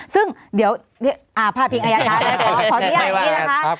ซึ่งเดี๋ยวพาดพิงอายการเลยขออนุญาตอย่างนี้นะคะ